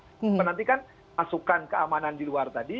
tapi nanti kan masukkan keamanan di luar tadi